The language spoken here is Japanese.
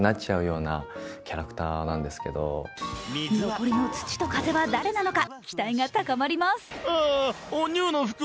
残りの土と風は誰なのか、期待が高まります。